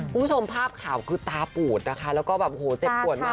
คุณผู้ชมภาพข่าวคือตาปูดนะคะแล้วก็แบบโหเจ็บปวดมาก